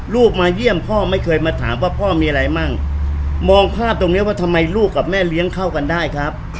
มาเยี่ยมพ่อไม่เคยมาถามว่าพ่อมีอะไรมั่งมองภาพตรงเนี้ยว่าทำไมลูกกับแม่เลี้ยงเข้ากันได้ครับ